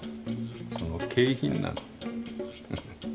その景品なの。